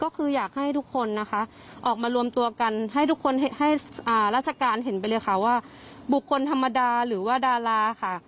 ก็คืออยากให้ทุกคนนะคะออกมารวมตัวกันให้ทุกคนให้ราชการเห็นไปเลยค่ะว่าบุคคลธรรมดาหรือว่าดาราค่ะ